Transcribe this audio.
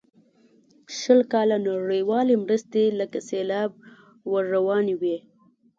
شل کاله نړیوالې مرستې لکه سیلاب ور روانې وې.